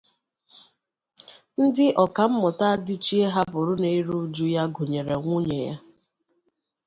Ndị Ọkammụta Adịchie hapụrụ ná-eru uju ya gụnyèrè nwunye ya